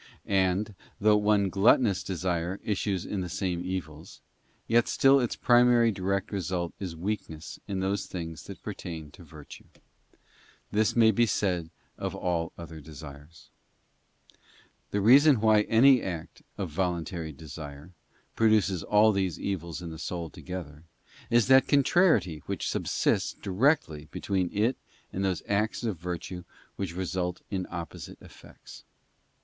And, though one gluttonous desire issues in the same evils, yet still its primary direct result is weakness in those things that pertain to virtue. The same may be said of all other desires. Fruits of The reason why any act of voluntary desire produces all these evils in the soul together, is that contrariety which subsists directly between it and those acts of virtue which result in opposite effects.